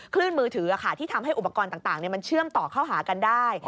มือถือที่ทำให้อุปกรณ์ต่างมันเชื่อมต่อเข้าหากันได้